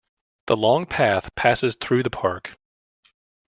The Long Path passes through the park.